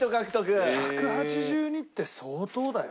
１８２って相当だよ。